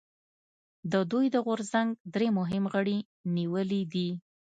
د دوی د غورځنګ درې مهم غړي نیولي دي